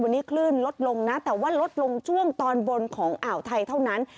วันนี้คลื่นลดลงนะแต่ว่าลดลงช่วงตอนบนของอ่าวไทยเท่านั้น